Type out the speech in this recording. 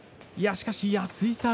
しかし安井さん